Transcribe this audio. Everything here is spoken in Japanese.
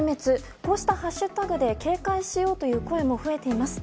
こうしたハッシュタグで警戒しようという声も増えています。